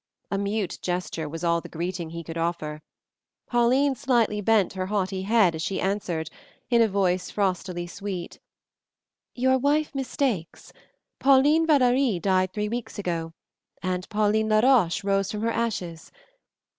A mute gesture was all the greeting he could offer. Pauline slightly bent her haughty head as she answered, in a voice frostily sweet, "Your wife mistakes. Pauline Valary died three weeks ago, and Pauline Laroche rose from her ashes.